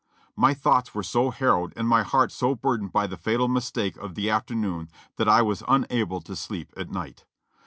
"My thoughts were so harrowed and my heart so burdened by the fatal mistake of the afternoon that I was unable to sleep at night.